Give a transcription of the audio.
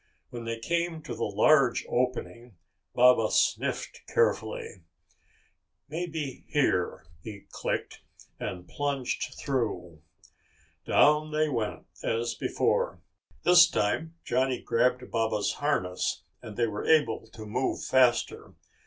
When they came to the large opening, Baba sniffed carefully. "Maybe here," he clicked, and plunged through. Down they went as before. This time Johnny grabbed Baba's harness and they were able to move faster.